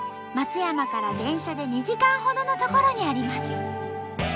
松山から電車で２時間ほどの所にあります。